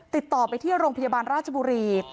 ติดต่อไปที่โรงพยาบาลราชบุรี